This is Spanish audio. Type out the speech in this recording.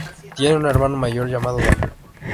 Tiene un hermano mayor llamado Dan.